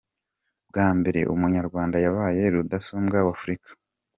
Bwa mbere umunyarwanda yabaye Rudasumbwa wa Afurika .